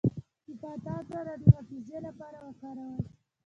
د بادام دانه د حافظې لپاره وکاروئ